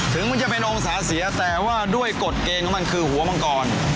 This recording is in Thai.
ถึงมันจะเป็นองศาเสียแต่ว่าด้วยกฎเกณฑ์ของมันคือหัวมังกร